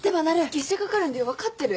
月謝かかるんだよ分かってる？